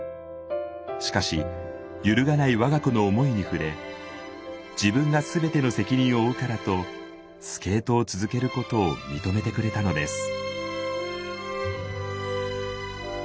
しかし揺るがない我が子の思いに触れ自分がすべての責任を負うからとスケートを続けることを認めてくれたのです。